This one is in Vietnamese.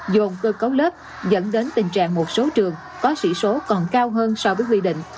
dồn cơ cấu lớp dẫn đến tình trạng một số trường có sĩ số còn cao hơn so với quy định